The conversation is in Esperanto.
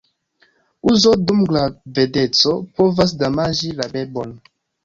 Uzo dum gravedeco povas damaĝi la bebon.